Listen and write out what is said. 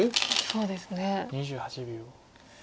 そうですね。